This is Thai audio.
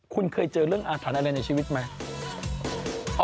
คุณเคยเจอเรื่องอาถานาเรนลงและชีวิตไหม